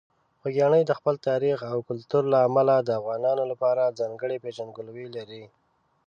خوږیاڼي د خپل تاریخ او کلتور له امله د افغانانو لپاره ځانګړې پېژندګلوي لري.